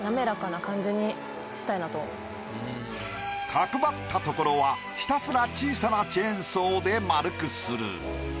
角張ったところはひたすら小さなチェーンソーで丸くする。